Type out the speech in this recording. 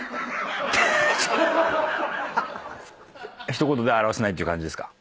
一言で表せないって感じですか？